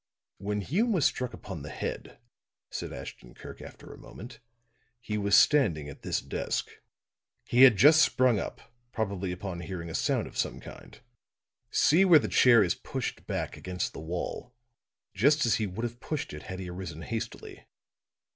"When Hume was struck upon the head," said Ashton Kirk, after a moment, "he was standing at this desk. He had just sprung up, probably upon hearing a sound of some kind. See where the chair is pushed back against the wall, just as he would have pushed it had he arisen hastily.